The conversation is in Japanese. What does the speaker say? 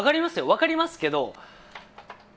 分かりますけど。